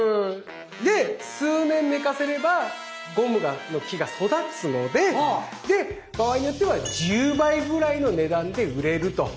で数年寝かせればゴムの木が育つのでで場合によっては１０倍ぐらいの値段で売れると。